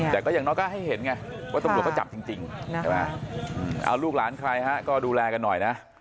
แต่ก็อย่างน้อยก็ให้เห็นไงว่าตำรวจเขาจับจริงเอาลูกหลานใครฮะก็ดูแลกันหน่อยนะ